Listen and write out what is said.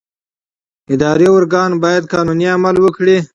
اداري ارګان باید قانوني عمل وکړي.